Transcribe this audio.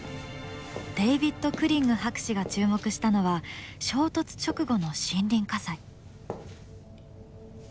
デイヴィッド・クリング博士が注目したのは衝突直後の森林火災。